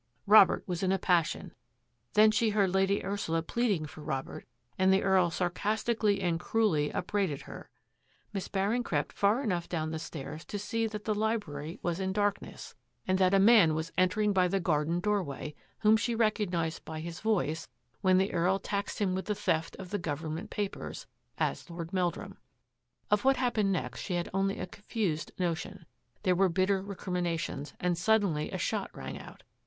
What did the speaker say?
Robert was in a passion. Then she heard Lady Ursula pleading for Robert and the Earl sarcastically and cruelly upbraided her. Miss Baring crept far enough down the stairs to see that the library was in darkness and that a 268 THAT AFFAIR AT THE MANOR man was entering by the garden doorway whom she recognised by his voice, when the Earl taxed him with the theft of the government papers, as Lord Meldrum. Of what happened next she had only a confused notion. There were bitter recrim inations, and suddenly a shot rang out.